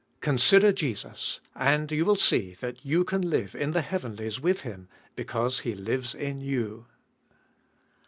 Consider Jesus ! and you will see that you can live in the heavenlies with Him, because He lives in you.